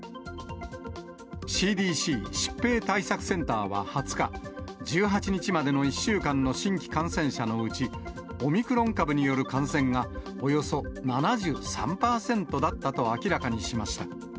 ＣＤＣ・疾病対策センターは２０日、１８日までの１週間の新規感染者のうち、オミクロン株による感染がおよそ７３％だったと明らかにしました。